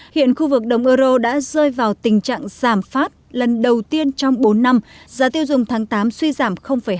hiện khu vực đồng euro đã rơi vào tình trạng giảm phát lần đầu tiên trong bốn năm giá tiêu dùng tháng tám suy giảm hai